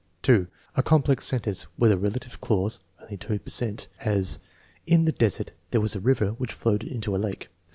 (2) A complex sentence with a relative clause (only % per cent); as: "In the desert there was a river which flowed into a lake."